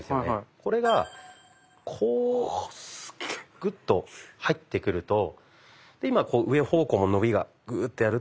これがこうグッと入ってくると今上方向の伸びがグーッてやると。